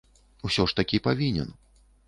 Усё ж такі павінен.